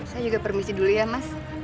saya juga permisi dulu ya mas